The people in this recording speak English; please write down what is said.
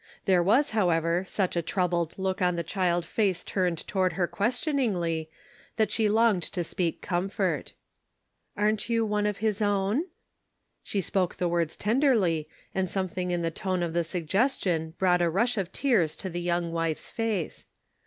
There was, how ever, such a troubled look on the child face turned toward her questioningly that she longed to speak comfort. "Aren't you one of His own?" She spoke the words tenderly, and something in the tone of the suggestion brought a rush of tears to the young wife's face.